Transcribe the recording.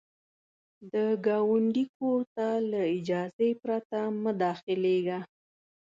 د ګاونډي کور ته له اجازې پرته مه داخلیږه